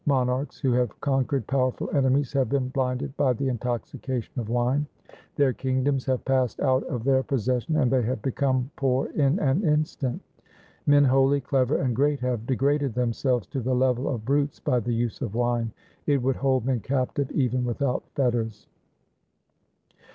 Monarchs who have conquered powerful enemies have been blinded by the intoxication of wine. Their kingdoms have passed out of their LIFE OF GURU HAR GOBIND 169 possession, and they have become poor in an instant. Men holy, clever, and great have degraded themselves to the level of brutes by the use of wine. It would hold men captive even without fetters.'